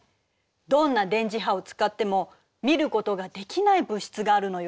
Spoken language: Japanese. どんな電磁波を使っても見ることができない物質があるのよ。